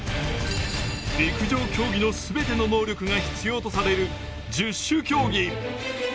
陸上競技の全ての能力が必要とされる十種競技。